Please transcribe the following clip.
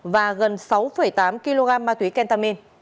và gần sáu tám kg ma túy kentamin